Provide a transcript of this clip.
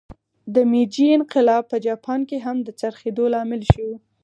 د میجي انقلاب په جاپان کې هم د څرخېدو لامل شو.